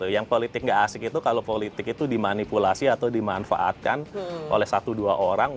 yang politik nggak asik itu kalau politik itu dimanipulasi atau dimanfaatkan oleh satu dua orang